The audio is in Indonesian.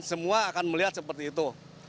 semua akan melihat seperti itu